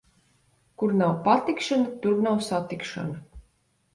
Kur nav patikšana, tur nav satikšana.